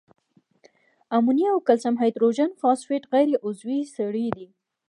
امونیا او کلسیم هایدروجن فاسفیټ غیر عضوي سرې دي.